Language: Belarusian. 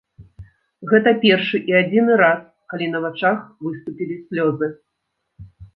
Гэта першы і адзіны раз, калі на вачах выступілі слёзы.